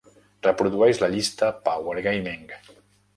Reprodueix la llista "Power Gaming".